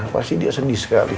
pasti dia sedih sekali